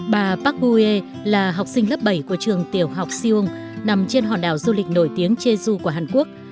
bà parkbue là học sinh lớp bảy của trường tiểu học siung nằm trên hòn đảo du lịch nổi tiếng jeju của hàn quốc